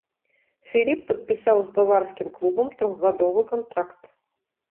Філіп падпісаў з баварскім клубам трохгадовы кантракт.